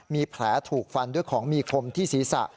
มีแผลถูกฟันด้วยของมีคมที่ศีรษะ